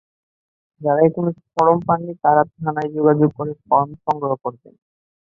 যাঁরা এখনো ফরম পাননি, তাঁরা থানায় যোগাযোগ করে ফরম সংগ্রহ করবেন।